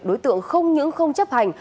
đối tượng không những không chấp hành